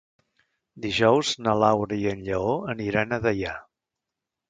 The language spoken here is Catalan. Dijous na Laura i en Lleó aniran a Deià.